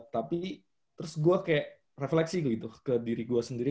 tapi terus gue kayak refleksi gitu ke diri gue sendiri